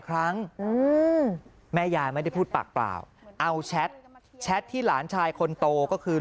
ครั้งแม่ยายไม่ได้พูดปากเปล่าเอาแชทแชทที่หลานชายคนโตก็คือ